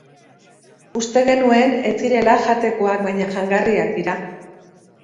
Uste genuen ez zirela jatekoak, baina jangarriak dira.